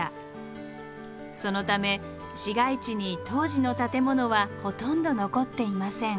そのため市街地に当時の建物はほとんど残っていません。